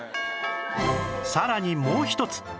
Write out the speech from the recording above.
さらにもう一つ